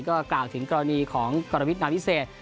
ก็กล่าวถึงกรณีของกรวิทนาวิเศษ